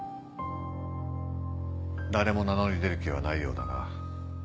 誰も名乗り出る気はないようだな。